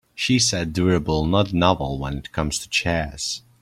She said durable not novel when it comes to chairs.